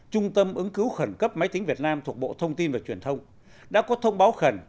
trung tâm ứng cứu khẩn cấp máy tính việt nam thuộc bộ thông tin và truyền thông đã có thông báo khẩn